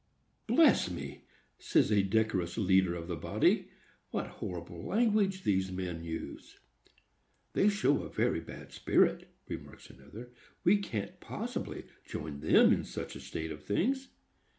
"Bless me!" says a decorous leader of the body, "what horrible language these men use!" "They show a very bad spirit," remarks another; "we can't possibly join them in such a state of things."